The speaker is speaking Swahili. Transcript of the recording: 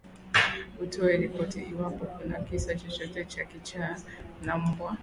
utoe ripoti iwapo kuna kisa chochote cha kichaa cha mbwa